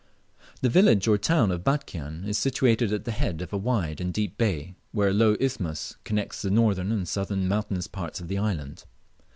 The village or town of Batchian is situated at the head of a wide and deep bay, where a low isthmus connects the northern and southern mountainous parts of the island.